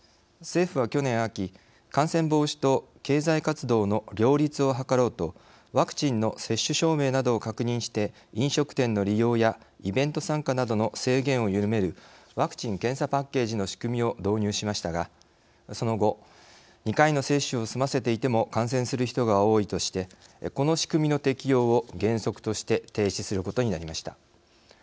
政府は去年秋、感染防止と経済活動の両立を図ろうとワクチンの接種証明などを確認して飲食店の利用やイベント参加などの制限を緩めるワクチン検査パッケージの仕組みを導入しましたがその後、２回の接種を済ませていても感染する人が多いとしてこの仕組みの適用を原則として停止することになりました。